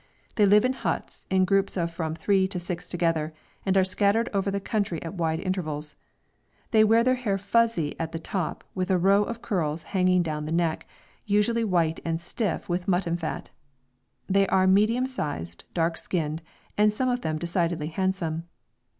They live in huts in groups of from three to six together, and are scattered over the country at wide intervals. They wear their hair fuzzy at the top, with a row of curls hanging down the neck, usually white and stiff with mutton fat. They are medium sized, dark skinned, and some of them decidedly handsome.